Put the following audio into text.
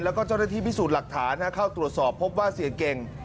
แล้วก็เจ้าหน้าที่พิสูจน์หลักฐานเข้าตรวจสอบพบว่าเสียเก่ง